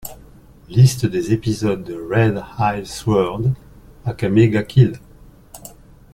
Liste des épisodes de Red Eyes Sword: Akame ga Kill!